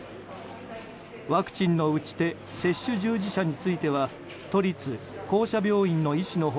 ワクチンの打ち手接種従事者については都立公社病院の医師の他